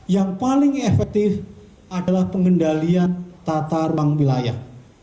yang paling efektif adalah pengendalian tata ruang wilayah